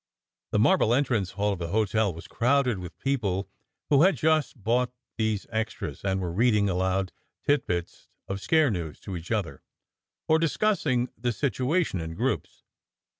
The marble entrance hall of the hotel was crowded with peo ple who had just bought these extras, and were reading aloud tit bits of "scare" news to each other, or discussing the situation in groups.